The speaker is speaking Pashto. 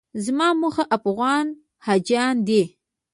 زما موخه افغان حاجیان دي.